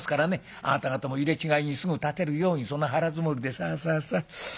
あなた方も入れ違いにすぐ立てるようにその腹積もりでさあさあさあ。